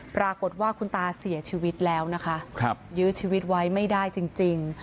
ปรากฏว่าคุณตาเสียชีวิตแล้วนะคะยื้อชีวิตไว้ไม่ได้จริง